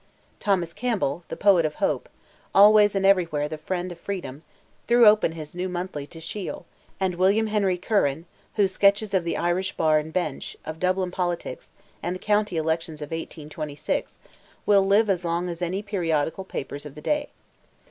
Thomas Campbell, the Poet of Hope, always and everywhere the friend of freedom, threw open his New Monthly, to Shiel, and William Henry Curran, whose sketches of the Irish Bar and Bench, of Dublin politics, and the county elections of 1826, will live as long as any periodical papers of the day.